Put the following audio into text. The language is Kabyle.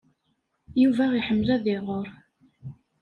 Yuba iḥemmel ad iɣer.